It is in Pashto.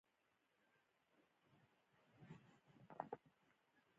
فلم د اوښکو سرچینه ده